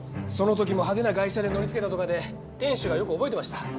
その時も派手な外車で乗りつけたとかで店主がよく覚えてました。